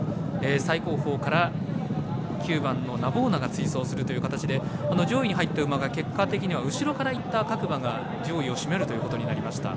最後方から９番ナヴォーナが追走するという形で上位に入った馬が結果的には後ろからいった各馬が上位を占めるということになりました。